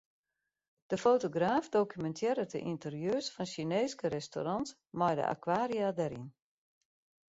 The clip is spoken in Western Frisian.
De fotograaf dokumintearret de ynterieurs fan Sjineeske restaurants mei de akwaria dêryn.